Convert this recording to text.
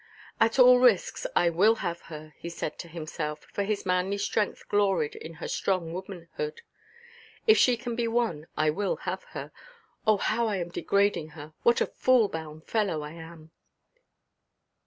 "At all risks I will have her," he said to himself, for his manly strength gloried in her strong womanhood; "if she can be won I will have her. Oh, how I am degrading her! What a fool–bound fellow I am!"